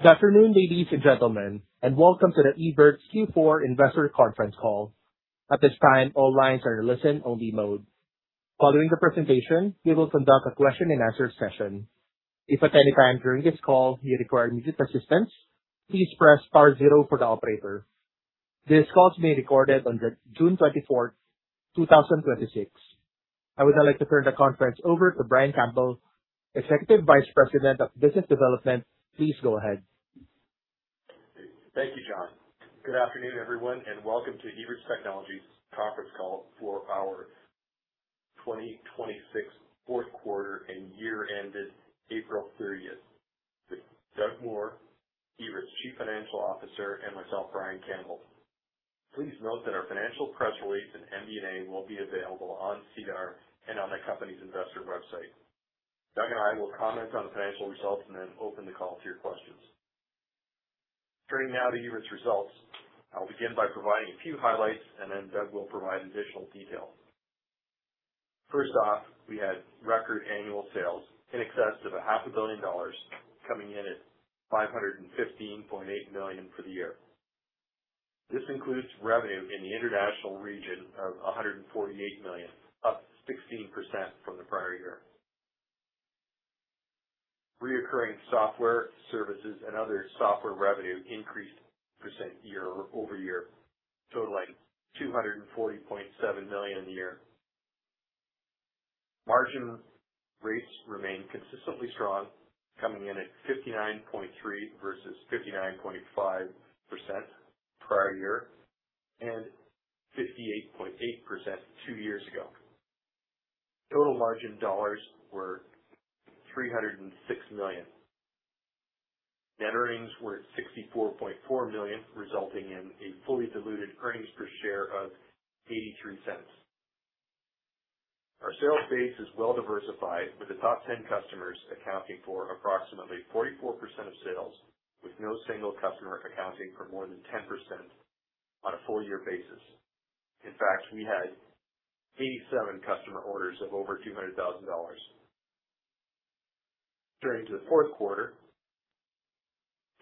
Good afternoon, ladies and gentlemen, and welcome to the Evertz Q4 investor conference call. At this time, all lines are in listen-only mode. Following the presentation, we will conduct a question and answer session. If at any time during this call you require music assistance, please press star zero for the operator. This call is being recorded on June 24th, 2026. I would now like to turn the conference over to Brian Campbell, Executive Vice President of Business Development. Please go ahead. Thank you, John. Good afternoon, everyone, welcome to Evertz Technologies conference call for our 2026 fourth quarter and year-ended April 30th. With Doug Moore, Evertz Chief Financial Officer, and myself, Brian Campbell. Please note that our financial press release and MD&A will be available on SEDAR, and on the company's investor website. Doug and I will comment on the financial results, then open the call to your questions. Turning now to Evertz results, I'll begin by providing a few highlights, then Doug will provide additional details. First off, we had record annual sales in excess of a half a billion dollars, coming in at 515.8 million for the year. This includes revenue in the international region of 148 million, up 16% from the prior year. Reoccurring software services and other software revenue increased 8% percent year-over-year, totaling CAD 240.7 million the year. Margin rates remain consistently strong, coming in at 59.3% versus 59.5% prior year, and 58.8% two years ago. Total margin dollars were 306 million. Net earnings were at 64.4 million, resulting in a fully diluted earnings per share of 0.83. Our sales base is well diversified, with the top 10 customers accounting for approximately 44% of sales, with no single customer accounting for more than 10% on a full-year basis. In fact, we had 87 customer orders of over 200,000 dollars. Turning to the fourth quarter,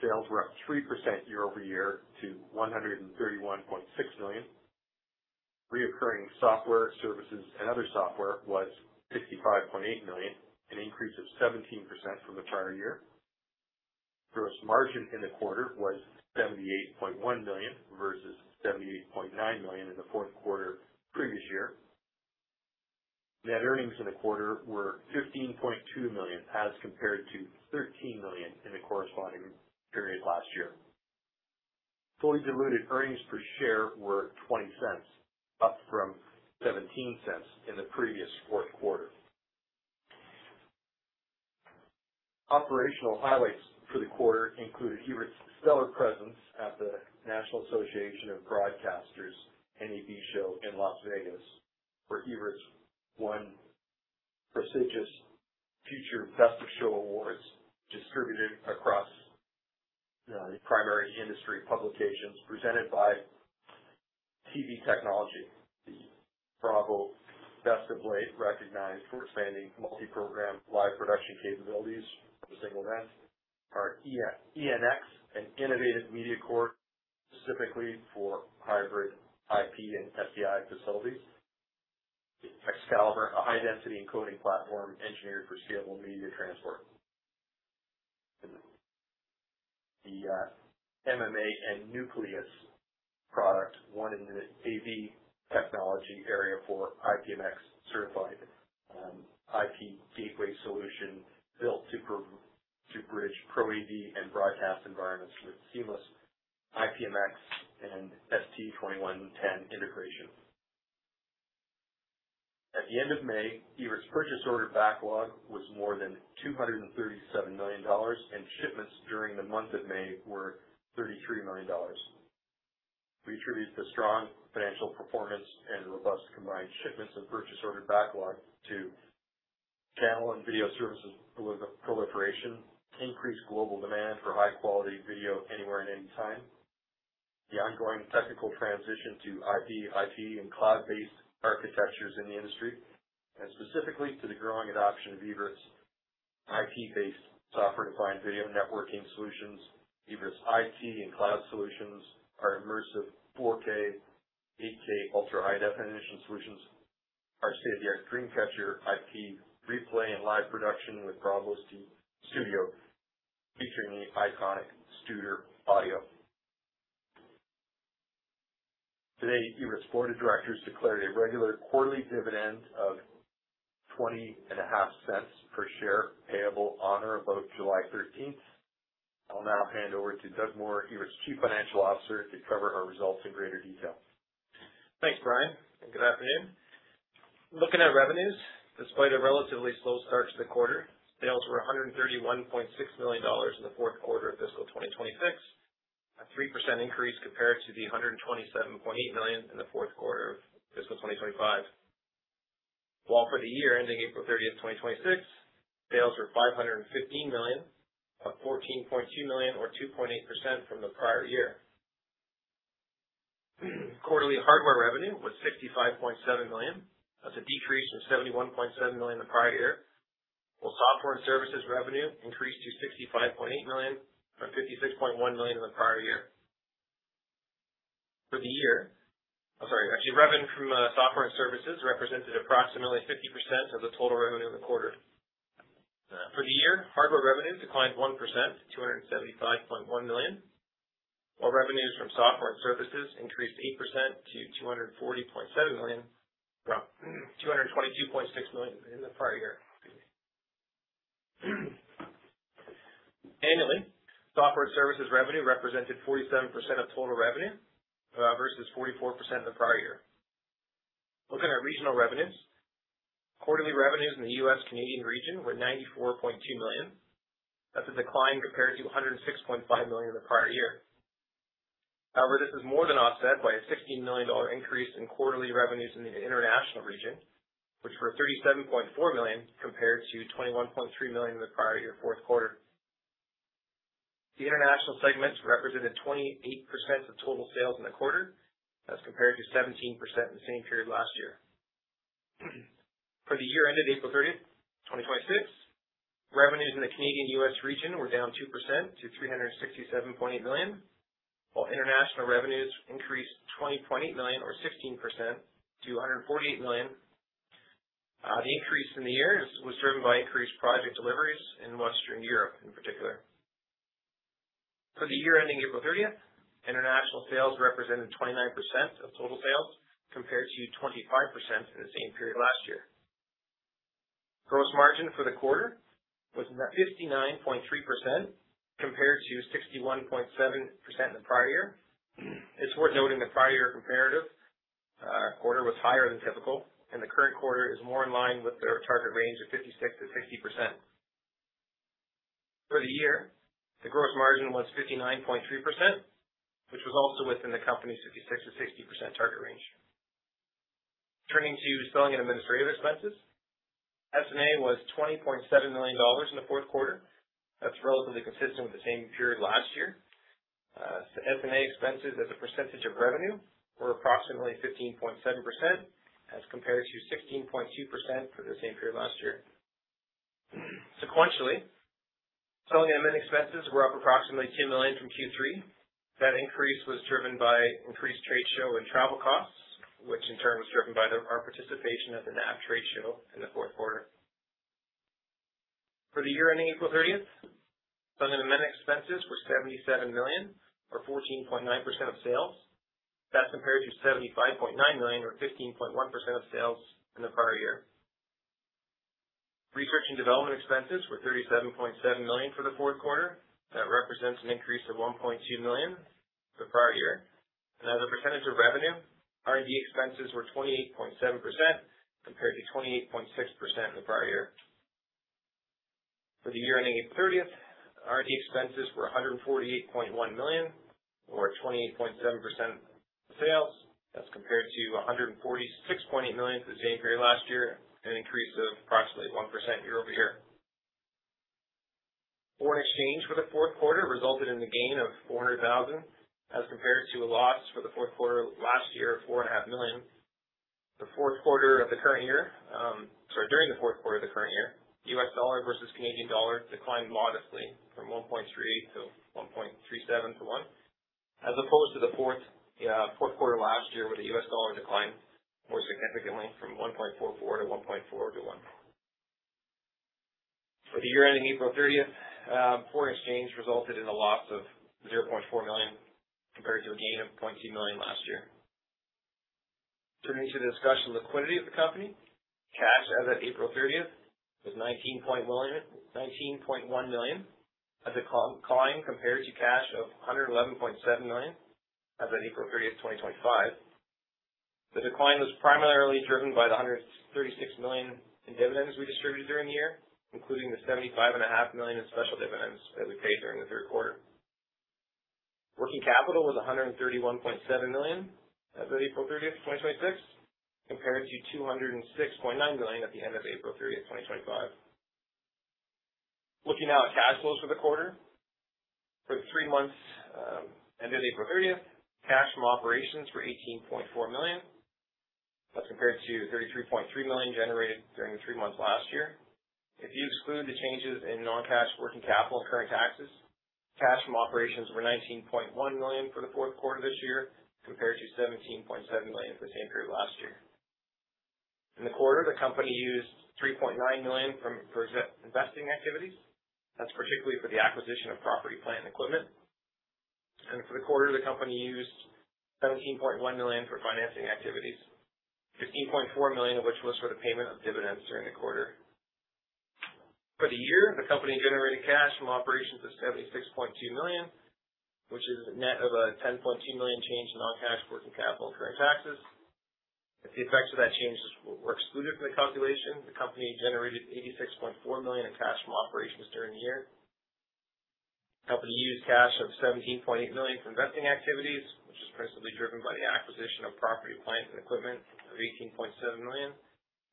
sales were up 3% year-over-year to 131.6 million. Reoccurring software services and other software was 55.8 million, an increase of 17% from the prior year. Gross margin in the quarter was 78.1 million versus 78.9 million in the fourth quarter previous year. Net earnings in the quarter were 15.2 million as compared to 13 million in the corresponding period last year. Fully diluted earnings per share were 0.20, up from 0.17 in the previous fourth quarter. Operational highlights for the quarter included Evertz's stellar presence at the National Association of Broadcasters, NAB Show in Las Vegas, where Evertz won prestigious Future Best of Show Awards distributed across the primary industry publications presented by TV Technology, where the BRAVO, Best of Show recognized for expanding multi-program live production capabilities for single event. Our ENX, an innovative media core specifically for hybrid IP and SDI facilities. X-CALIBER, a high-density encoding platform engineered for scalable media transport. The MMA and NUCLEUS product won in the AV technology area for IPMX certified, IP gateway solution built to bridge pro AV and broadcast environments with seamless IPMX and ST 2110 integration. At the end of May, Evertz's purchase order backlog was more than 237 million dollars. Shipments during the month of May were 33 million dollars. We attribute the strong financial performance and robust combined shipments and purchase order backlog to channel and video services proliferation, increased global demand for high-quality video anywhere and any time, the ongoing technical transition to IP, IT, and cloud-based architectures in the industry, and specifically to the growing adoption of Evertz IP-based software-defined video networking solutions, Evertz IT and cloud solutions, our immersive 4K, 8K ultra high-definition solutions, our state-of-the-art DreamCatcher IP replay and live production with BRAVO Studio, featuring the iconic Studer audio. Today, Evertz' Board of Directors declared a regular quarterly dividend of 0.205 per share, payable on or about July 13th. I'll now hand over to Doug Moore, Evertz' Chief Financial Officer, to cover our results in greater detail. Thanks, Brian, and good afternoon. Looking at revenues, despite a relatively slow start to the quarter, sales were 131.6 million dollars in the fourth quarter of fiscal 2026, a 3% increase compared to the 127.8 million in the fourth quarter of fiscal 2025. While for the year ending April 30th, 2026, sales were 515 million, up 14.2 million or 2.8% from the prior year. Quarterly hardware revenue was 65.7 million. That's a decrease from 71.7 million the prior year, while software and services revenue increased to 65.8 million by 56.1 million in the prior year. For the year, I'm sorry, actually, revenue from software and services represented approximately 50% of the total revenue in the quarter. For the year, hardware revenue declined 1% to 275.1 million, while revenues from software and services increased 8% to 240.7 million from 222.6 million in the prior year. Annually, software and services revenue represented 47% of total revenue versus 44% in the prior year. Looking at regional revenues, quarterly revenues in the U.S.-Canadian region were 94.2 million. That's a decline compared to 106.5 million in the prior year. However, this was more than offset by a 16 million dollar increase in quarterly revenues in the international region, which were 37.4 million compared to 21.3 million in the prior year fourth quarter. The international segment represented 28% of total sales in the quarter as compared to 17% in the same period last year. For the year ended April 30th, 2026, revenues in the Canadian-U.S. region were down 2% to 367.8 million, while international revenues increased 20.8 million or 16% to 148 million. The increase in the year was driven by increased project deliveries in Western Europe in particular. For the year ending April 30th, international sales represented 29% of total sales, compared to 25% in the same period last year. Gross margin for the quarter was 59.3% compared to 61.7% in the prior year. It's worth noting the prior year comparative quarter was higher than typical, and the current quarter is more in line with their target range of 56%-60%. For the year, the gross margin was 59.3%, which was also within the company's 66%-60% target range. Turning to selling and administrative expenses, S&A was 20.7 million dollars in the fourth quarter. That's relatively consistent with the same period last year. S&A expenses as a percentage of revenue were approximately 15.7% as compared to 16.2% for the same period last year. Sequentially, selling and admin expenses were up approximately 2 million from Q3. That increase was driven by increased trade show and travel costs, which in turn was driven by our participation at the NAB Trade Show in the fourth quarter. For the year ending April 30th, selling and admin expenses were 77 million, or 14.9% of sales. That's compared to 75.9 million or 15.1% of sales in the prior year. Research and development expenses were 37.7 million for the fourth quarter. That represents an increase of 1.2 million the prior year. As a percentage of revenue, R&D expenses were 28.7% compared to 28.6% in the prior year. For the year ending April 30th, R&D expenses were 148.1 million or 28.7% sales. That's compared to 146.8 million for the same period last year, an increase of approximately 1% year-over-year. Foreign exchange for the fourth quarter resulted in the gain of 400,000 as compared to a loss for the fourth quarter last year of four and a half million. During the fourth quarter of the current year, U.S. dollar versus Canadian dollar declined modestly from 1.38 to 1.37 to $1, as opposed to the fourth quarter last year, where the U.S. dollar declined more significantly from 1.44 to 1.4 to $1. For the year ending April 30th, foreign exchange resulted in a loss of 0.4 million compared to a gain of 0.2 million last year. Turning to the discussion of liquidity of the company, cash as of April 30th was 19.1 million. That's a decline compared to cash of 111.7 million as of April 30th, 2025. The decline was primarily driven by the 136 million in dividends we distributed during the year, including the 75.5 million in special dividends that we paid during the third quarter. Working capital was 131.7 million as of April 30th, 2026, compared to 206.9 million at the end of April 30th, 2025. Looking now at cash flows for the quarter. For the three months ended April 30th, cash from operations were 18.4 million. That's compared to 33.3 million generated during the three months last year. If you exclude the changes in non-cash working capital and current taxes, cash from operations were 19.1 million for the fourth quarter this year, compared to 17.7 million for the same period last year. In the quarter, the company used 3.9 million for investing activities. That's particularly for the acquisition of property, plant, and equipment. For the quarter, the company used 17.1 million for financing activities, 15.4 million of which was for the payment of dividends during the quarter. For the year, the company generated cash from operations of 76.2 million, which is a net of a 10.2 million change in non-cash, working capital, and current taxes. If the effects of that change were excluded from the calculation, the company generated 86.4 million in cash from operations during the year. The company used cash of 17.8 million for investing activities, which is principally driven by the acquisition of property, plant, and equipment of 18.7 million,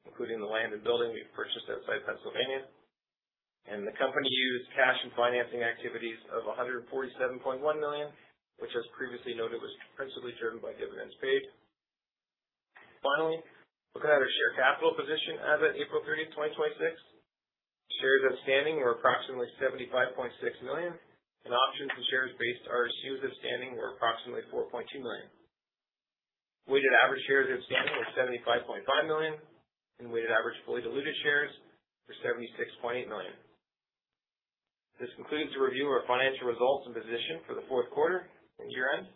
including the land and building we purchased outside Pennsylvania. The company used cash and financing activities of 147.1 million, which, as previously noted, was principally driven by dividends paid. Finally, looking at our share capital position as of April 30th, 2026. Shares outstanding were approximately 75.6 million, and options and shares based RSUs outstanding were approximately 4.2 million. Weighted average shares outstanding was 75.5 million, and weighted average fully diluted shares were 76.8 million. This concludes the review of our financial results and position for the fourth quarter and year-end.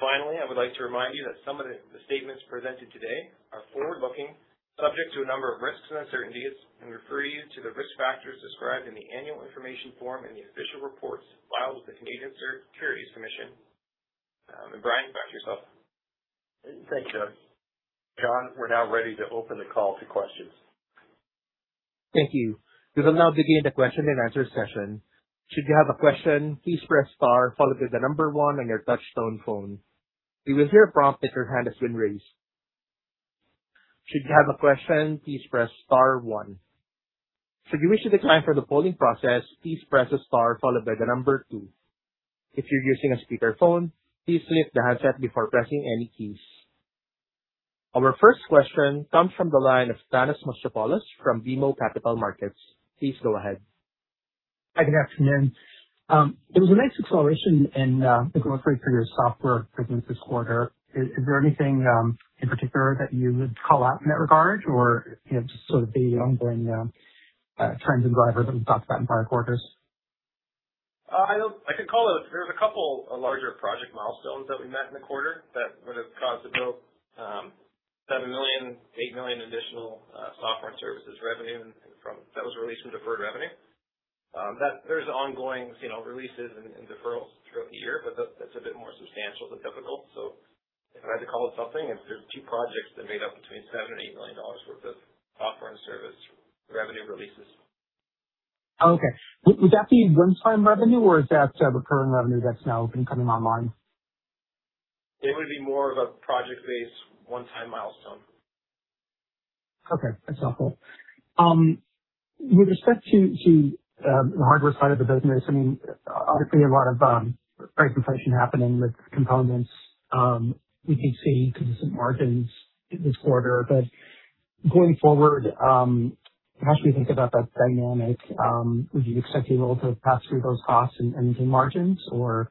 Finally, I would like to remind you that some of the statements presented today are forward-looking, subject to a number of risks and uncertainties, and refer you to the risk factors described in the Annual Information Form in the official reports filed with the Canadian Securities Administrators. Brian, back to yourself. Thanks, Doug. John, we're now ready to open the call to questions. Thank you. We will now begin the question and answer session. Should you have a question, please press star followed by one on your touchtone phone. You will hear a prompt if your hand has been raised. Should you have a question, please press star one. Should you wish to decline for the polling process, please press star followed by two. If you're using a speakerphone, please lift the handset before pressing any keys. Our first question comes from the line of Thanos Moschopoulos from BMO Capital Markets. Please go ahead. Hi, good afternoon. There was a nice acceleration in the growth rate for your software business this quarter. Is there anything in particular that you would call out in that regard, or just sort of the ongoing trends and drivers that we've talked about in prior quarters? I could call out, there was a couple larger project milestones that we met in the quarter that would've caused the 7 million, 8 million additional software and services revenue that was released from deferred revenue. There's ongoing releases and deferrals throughout the year, but that's a bit more substantial than typical. If I had to call it something, there's two projects that made up between 7 million and 8 million dollars worth of software and service revenue releases. Okay. Would that be one-time revenue or is that recurring revenue that's now been coming online? It would be more of a project-based one-time milestone. Okay, that's helpful. With respect to the hardware side of the business, obviously a lot of price inflation happening with components. We can see consistent margins this quarter. Going forward, how should we think about that dynamic? Would you expect to be able to pass through those costs and maintain margins? What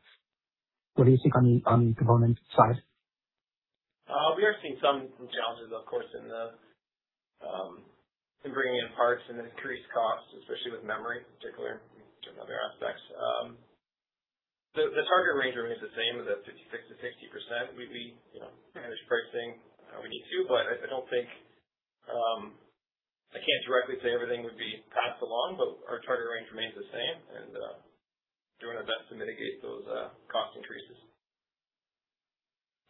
do you think on the component side? We are seeing some challenges of course, in bringing in parts and the increased costs, especially with memory particular and other aspects. The target range remains the same, the 56%-60%. We manage pricing how we need to, but I can't directly say everything would be passed along, but our target range remains the same and doing our best to mitigate those cost increases.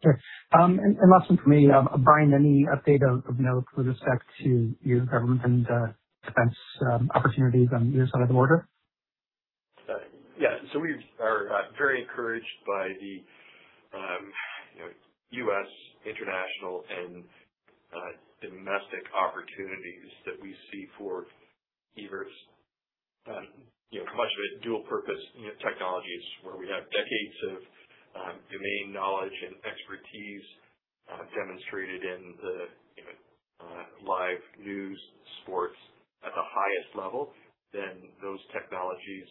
Sure. Last one from me. Brian, any update of note with respect to your government and Defence opportunities on your side of the border? Yeah. We are very encouraged by the U.S., international and domestic opportunities that we see for Evertz. Much of it dual purpose technologies, where we have decades of domain knowledge and expertise demonstrated in the live news, sports at the highest level. Those technologies,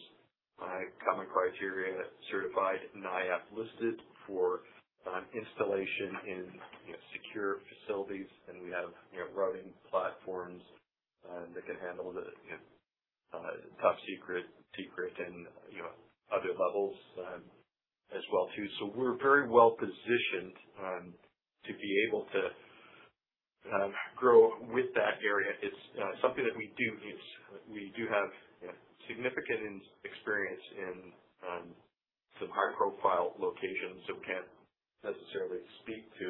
common criteria certified, NIAP-listed for installation in secure facilities. We have routing platforms that can handle the top secret and other levels, as well too. We're very well-positioned to be able to grow with that area. It's something that we do have significant experience in some high-profile locations that we can't necessarily speak to.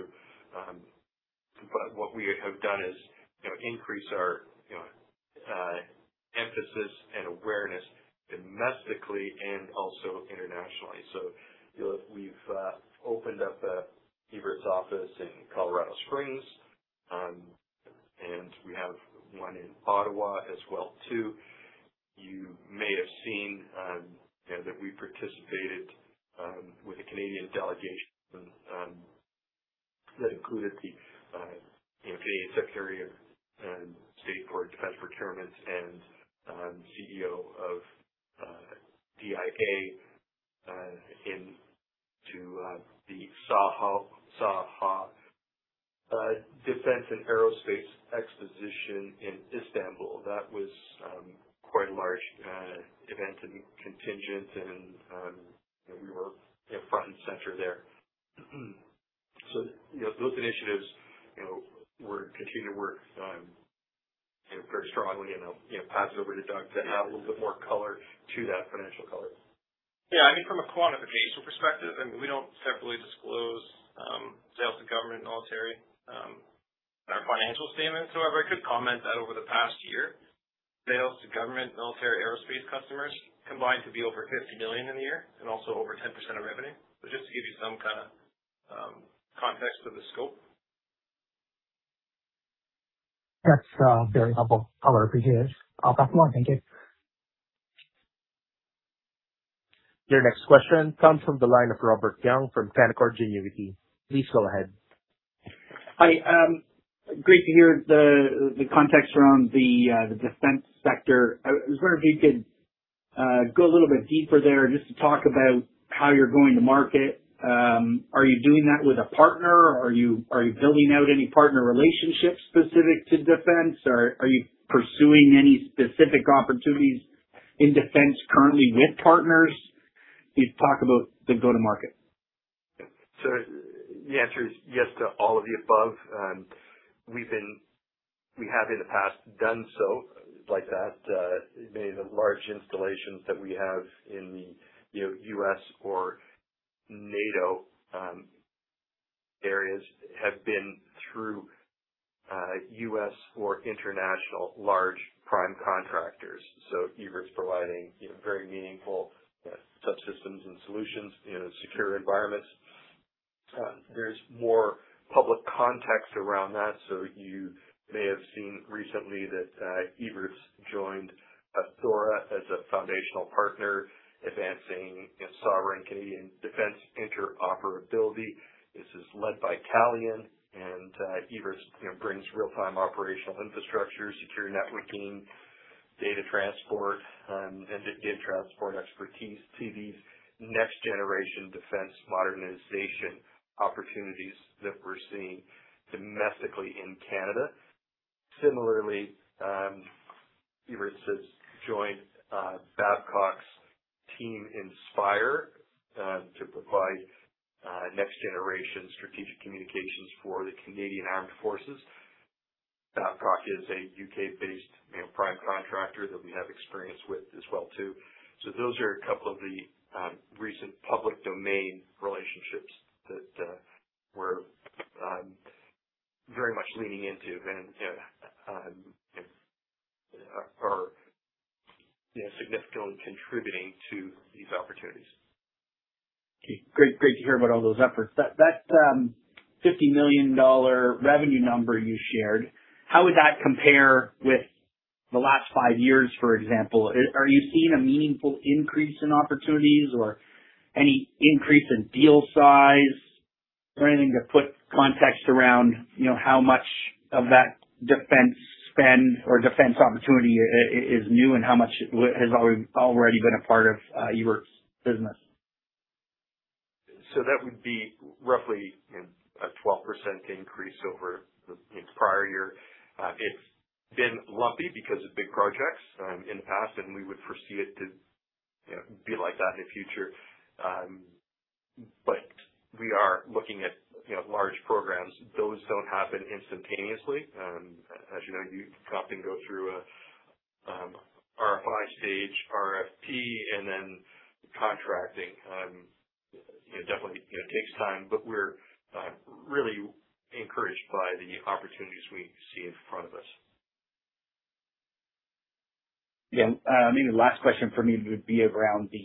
What we have done is increase our emphasis and awareness domestically and also internationally. We've opened up an Evertz office in Colorado Springs, and we have one in Ottawa as well too. You may have seen that we participated with a Canadian delegation that included the Canadian Secretary of State for Defence Procurement and CEO of DIA into the SAHA Defence and Aerospace Exposition in Istanbul. That was quite a large event and contingent and we were front and center there. Those initiatives we're continuing to work on very strongly, and I'll pass it over to Doug to add a little bit more color to that financial color. I think from a quantification perspective, we don't separately disclose sales to government and military in our financial statements. I could comment that over the past year, sales to government and military aerospace customers combined to be over 50 million in the year and also over 10% of revenue. Just to give you some kind of context for the scope. That's very helpful. I appreciate it. I'll pass along. Thank you. Your next question comes from the line of Robert Young from Canaccord Genuity. Please go ahead. Hi. Great to hear the context around the defense sector. I was wondering if you could go a little bit deeper there just to talk about how you're going to market. Are you doing that with a partner? Are you building out any partner relationships specific to defense, or are you pursuing any specific opportunities in defense currently with partners? Can you talk about the go-to market? The answer is yes to all of the above. We have in the past done so like that. Many of the large installations that we have in the U.S. or NATO areas have been through U.S. or international large prime contractors. Evertz providing very meaningful subsystems and solutions in secure environments. There's more public context around that. You may have seen recently that Evertz joined ATHORA as a foundational partner advancing sovereign Canadian defense interoperability. This is led by Calian, and Evertz brings real-time operational infrastructure, secure networking, data transport, and data transport expertise to these next generation defense modernization opportunities that we're seeing domestically in Canada. Similarly, Evertz has joined Babcock's Team INSPIRE to provide next generation strategic communications for the Canadian Armed Forces. Babcock is a U.K.-based prime contractor that we have experience with as well too. Those are a couple of the recent public domain relationships that we're very much leaning into and are significantly contributing to these opportunities. Okay, great to hear about all those efforts. That 50 million dollar revenue number you shared, how would that compare with the last five years, for example? Are you seeing a meaningful increase in opportunities or any increase in deal size or anything to put context around how much of that defense spend or defense opportunity is new and how much has already been a part of Evertz business? That would be roughly a 12% increase over the prior year. It's been lumpy because of big projects in the past, and we would foresee it to be like that in future. We are looking at large programs. Those don't happen instantaneously. As you know, you often go through a RFI stage, RFP, and then contracting. It definitely takes time, but we're really encouraged by the opportunities we see in front of us. Maybe the last question from me would be around the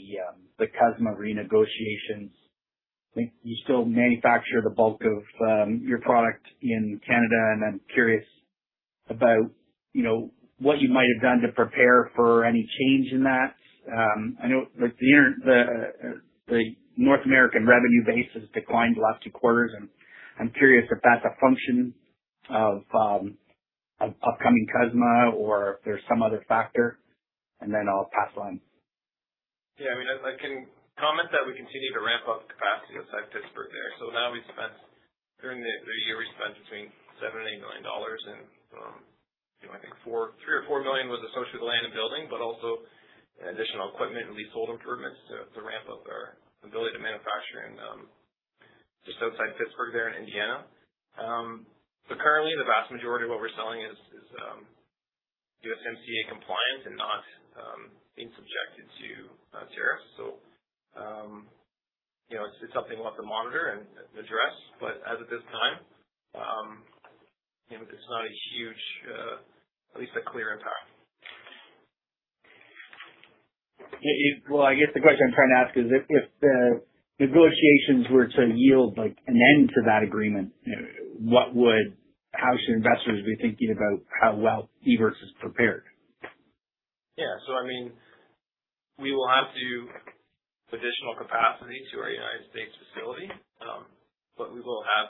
CUSMA renegotiations. I think you still manufacture the bulk of your product in Canada, and I'm curious about what you might have done to prepare for any change in that. I know the North American revenue base has declined the last two quarters, and I'm curious if that's a function of upcoming CUSMA or if there's some other factor, then I'll pass on. I can comment that we continue to ramp up capacity outside Pittsburgh there. Now during the year, we spent between 7 million and 8 million dollars, and I think 3 million or 4 million was associated with land and building, also additional equipment, leasehold improvements to ramp up our ability to manufacture in, just outside Pittsburgh there in Indiana. Currently, the vast majority of what we're selling is USMCA compliant and not being subjected to tariffs. It's something we'll have to monitor and address, as of this time, it's not a huge, at least a clear impact. I guess the question I'm trying to ask is, if the negotiations were to yield an end to that agreement, how should investors be thinking about how well Evertz is prepared? We will have to additional capacity to our United States facility, we will have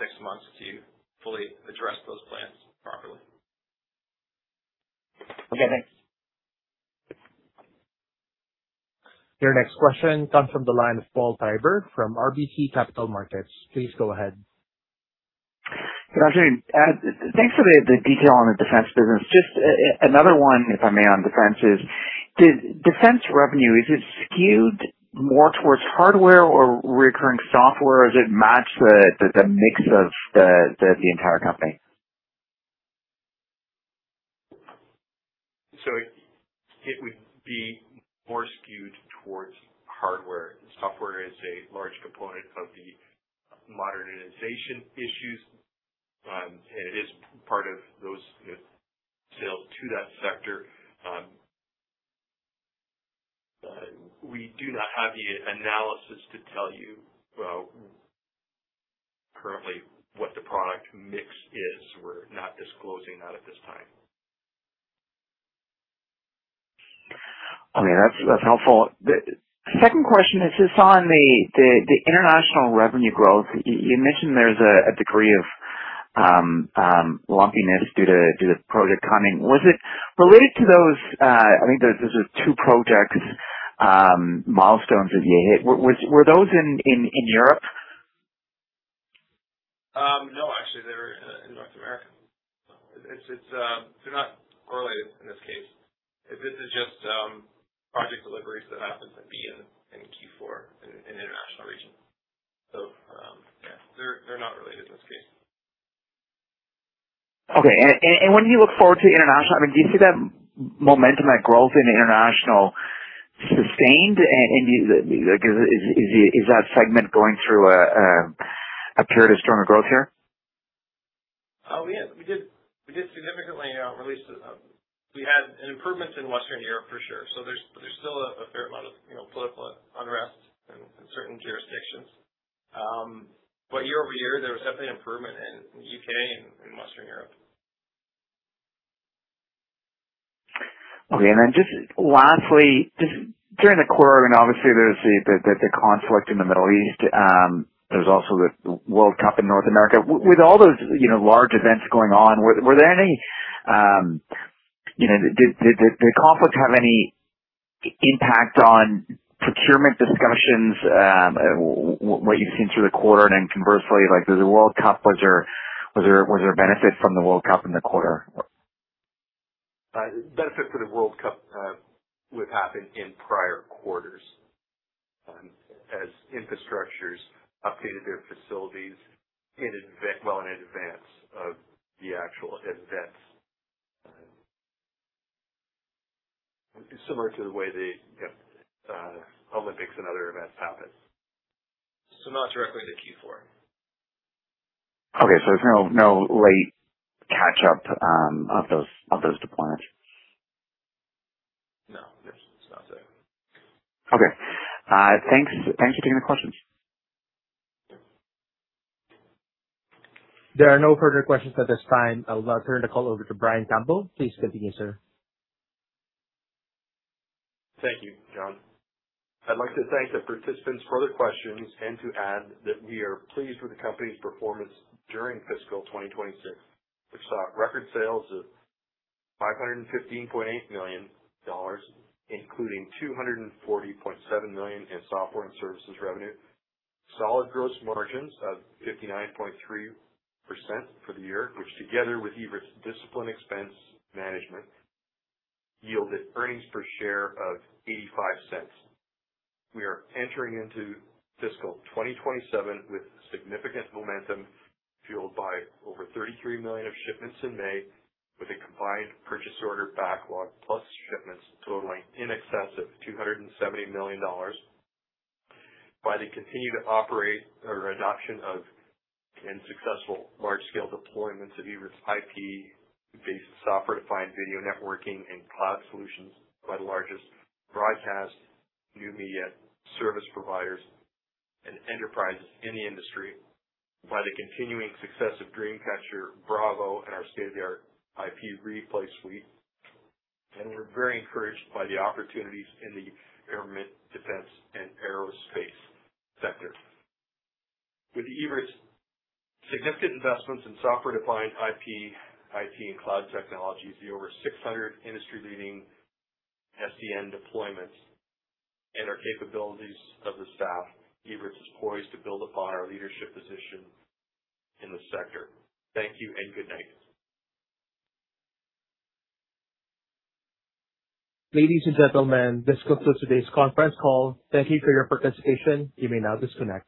six months to fully address those plans properly. Okay, thanks. Your next question comes from the line of Paul Treiber from RBC Capital Markets. Please go ahead. Hi, just on, thanks for the detail on the defense business. Just another one, if I may, on defense is, defense revenue, is it skewed more towards hardware or recurring software, or does it match the mix of the entire company? It would be more skewed towards hardware. Software is a large component of the modernization issues. It is part of those sales to that sector. We do not have the analysis to tell you currently what the product mix is. We're not disclosing that at this time. Okay. That's helpful. The second question is just on the international revenue growth. You mentioned there's a degree of lumpiness due to project timing. Was it related to those, I think those are two projects, milestones that you hit. Were those in Europe? No, actually they were in North America. They're not correlated in this case. This is just project deliveries that happen to be in Q4 in international regions. Yeah, they're not related in this case. Okay. When you look forward to international, do you see that momentum, that growth in international sustained? Is that segment going through a period of stronger growth here? We did significantly. We had an improvement in Western Europe for sure. There's still a fair amount of political unrest in certain jurisdictions. Year-over-year, there was definitely improvement in U.K. and in Western Europe. Just lastly, just during the quarter, obviously there's the conflict in the Middle East. There's also the World Cup in North America. With all those large events going on, did the conflict have any impact on procurement discussions, what you've seen through the quarter? Conversely, there's the World Cup. Was there a benefit from the World Cup in the quarter? Benefit for the World Cup would happen in prior quarters as infrastructures updated their facilities well in advance of the actual events. Similar to the way the Olympics and other events happen, so not directly to Q4. There's no late catch-up of those deployments. No, there's nothing. Okay. Thanks for taking the questions. There are no further questions at this time. I would now turn the call over to Brian Campbell. Please continue, sir. Thank you, John. I'd like to thank the participants for the questions and to add that we are pleased with the company's performance during fiscal 2026, which saw record sales of 515.8 million dollars, including 240.7 million in software and services revenue, solid gross margins of 59.3% for the year, which together with Evertz's disciplined expense management yielded earnings per share of 0.85. We are entering into fiscal 2027 with significant momentum, fueled by over 33 million of shipments in May, with a combined purchase order backlog plus shipments totaling in excess of 270 million dollars. By the continued operation or adoption of and successful large-scale deployments of Evertz IP-based software-defined video networking and cloud solutions by the largest broadcast new media service providers and enterprises in the industry, by the continuing success of DreamCatcher BRAVO and our state-of-the-art IP replay suite. We're very encouraged by the opportunities in the government, defense, and aerospace sector. With Evertz significant investments in software-defined IP, IT and cloud technologies, the over 600 industry-leading SDN deployments, and our capabilities of the staff, Evertz is poised to build upon our leadership position in the sector. Thank you and good night. Ladies and gentlemen, this concludes today's conference call. Thank you for your participation. You may now disconnect.